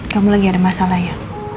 kamu lagi ada masalah ya